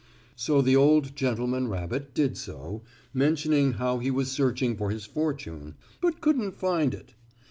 So the old gentleman rabbit did so, mentioning how he was searching for his fortune, but couldn't find it.